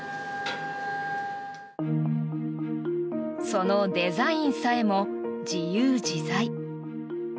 そのデザインさえも自由自在。